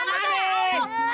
waduh cakep ya